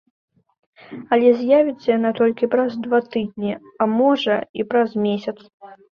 Але з'явіцца яна толькі праз два тыдні, а можа і праз месяц.